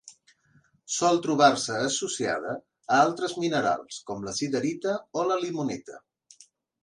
Sol trobar-se associada a altres minerals com la siderita o la limonita.